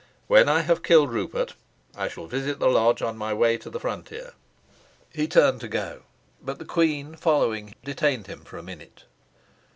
When I have killed Rupert, I shall visit the lodge on my way to the frontier." He turned to go, but the queen, following, detained him for a minute.